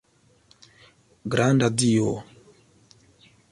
Granda Dio!